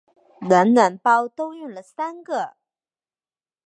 暖暖包都用了三个